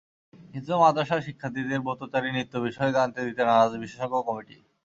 কিন্তু মাদ্রাসার শিক্ষার্থীদের ব্রতচারী নৃত্য বিষয়ে জানতে দিতে নারাজ বিশেষজ্ঞ কমিটি।